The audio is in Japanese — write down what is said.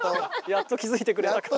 やっと気付いてくれたか。